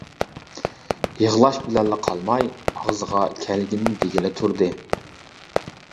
يىغلاش بىلەنلا قالماي، ئاغزىغا كەلگىنىنى دېگىلى تۇردى.